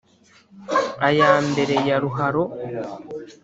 aya mbere ya ruharo